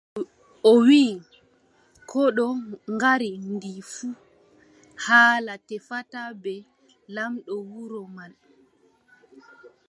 O wii, kooɗo ngaari ndi fuu, haala tefata bee laamɗo wuro man.